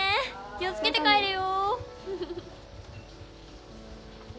気を付けて帰れよ。